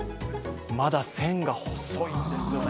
まだ線が細いんですよね。